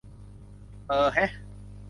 เออแฮะ